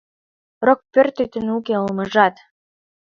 Рокпӧртетын уке олмыжат;